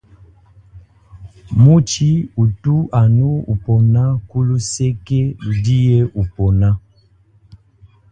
Mutshi utu anu upona kuluseke ludiye upona.